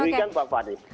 demikian pak fadil